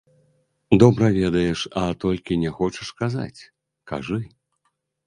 Добра ведаеш, а толькі не хочаш казаць, кажы!